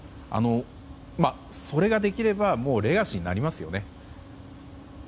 それができればレガシーになりますよね。